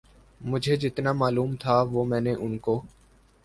مجھے جتنا معلوم تھا وہ میں نے ان کو